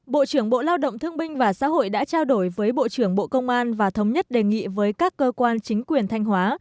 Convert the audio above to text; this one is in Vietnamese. bộ trưởng bộ lao động thương binh và xã hội đã trao đổi với bộ trưởng bộ công an và thống nhất đề nghị với các cơ quan chính quyền thanh hóa